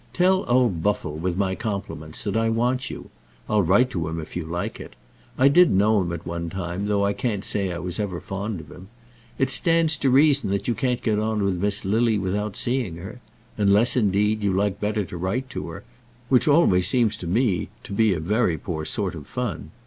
Tell old Buffle, with my compliments, that I want you. I'll write to him if you like it. I did know him at one time, though I can't say I was ever very fond of him. It stands to reason that you can't get on with Miss Lily without seeing her; unless, indeed, you like better to write to her, which always seems to me to be very poor sort of fun.